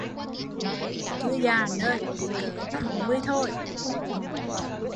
Chưa già, chỉ cợ tám mươi thôi